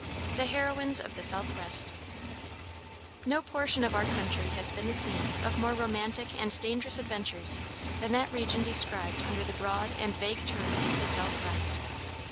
THE HEROINES OF THE SOUTHWEST No portion of our country has been the scene of more romantic and dangerous adventures than that region described under the broad and vague term the "Southwest."